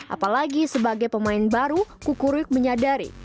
apalagi sebagai pemain baru kukur yuk menyadari